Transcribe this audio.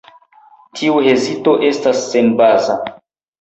Tiu hezito estas senbaza.